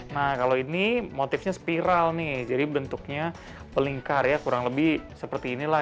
nah kalau ini motifnya spiral nih jadi bentuknya melingkar ya kurang lebih seperti inilah